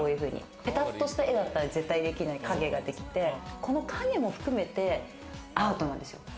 ペタッとした絵だったらできない影ができて、この影も含めてアートなんですよ。